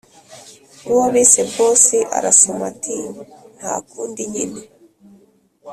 uwo bise boss arasoma ati ntakundi nyine